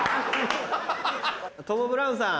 トム・ブラウンさん。